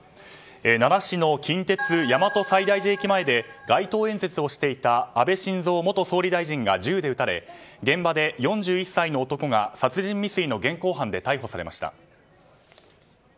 奈良市の近鉄大和西大寺駅で街頭演説をしていた安倍晋三元総理大臣が銃で撃たれ４１歳の男が殺人未遂の疑いで逮捕されました。